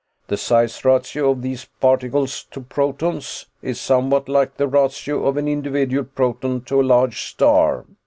The size ratio of these particles to protons is somewhat like the ratio of an individual proton to a large star.